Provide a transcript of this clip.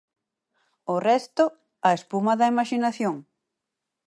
O resto, a espuma da imaxinación.